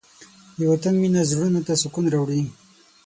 د وطن مینه زړونو ته سکون راوړي.